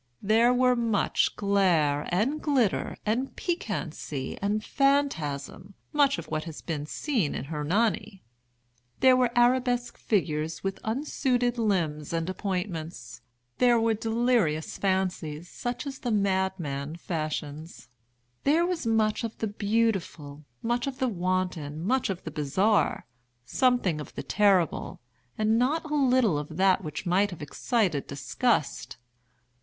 There were much glare and glitter and piquancy and phantasm—much of what has been since seen in "Hernani." There were arabesque figures with unsuited limbs and appointments. There were delirious fancies such as the madman fashions. There was much of the beautiful, much of the wanton, much of the bizarre, something of the terrible, and not a little of that which might have excited disgust.